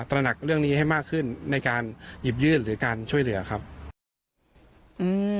ระหนักเรื่องนี้ให้มากขึ้นในการหยิบยื่นหรือการช่วยเหลือครับอืม